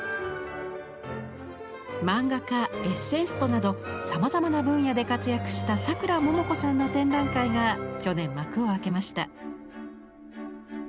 漫画家エッセイストなどさまざまな分野で活躍したさくらももこさんの展覧会が去年幕を開けました。